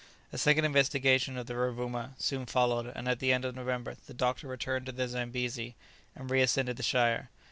A second investigation of the Rovouma soon followed and at the end of November the doctor returned to the Zambesi, and reascended the Shire.